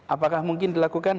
apakah mungkin dilakukan